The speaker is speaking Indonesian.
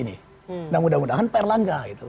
nah mudah mudahan pak erlangga gitu